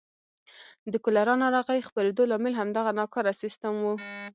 د کولرا ناروغۍ خپرېدو لامل همدغه ناکاره سیستم و.